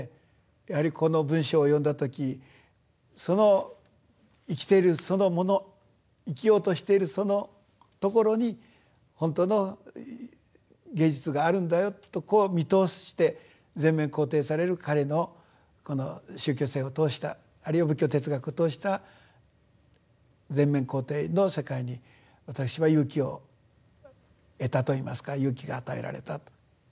やはりこの文章を読んだ時その生きているそのもの生きようとしているそのところに本当の芸術があるんだよとこう見通して全面肯定される彼のこの宗教性を通したあるいは仏教哲学を通した全面肯定の世界に私は勇気を得たといいますか勇気が与えられたと。